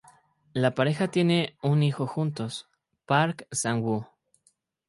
La pareja tiene un hijo juntos, Park Sang-woo.